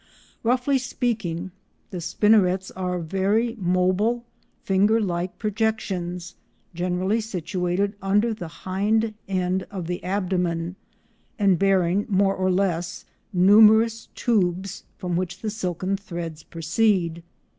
Roughly speaking, the spinnerets are very mobile finger like projections, generally situated under the hind end of the abdomen and, bearing more or less numerous tubes from which the silken threads proceed.